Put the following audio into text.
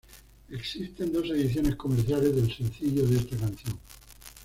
Existen dos ediciones comerciales del sencillo de esta canción.